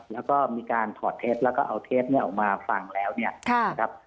แล้วก็มีการถอดเท็จแล้วก็เอาเทปเนี่ยออกมาฟังแล้วเนี่ยนะครับ